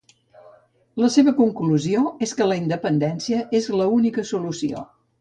La seva conclusió és que la independència és l'única solució.